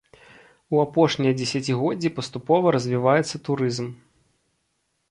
У апошнія дзесяцігоддзі паступова развіваецца турызм.